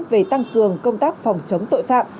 về tăng cường công tác phòng chống tội phạm